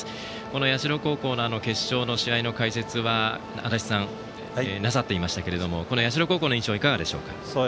この社高校の決勝の試合の解説は足達さんがなさっていましたが社高校の印象いかがでしょうか。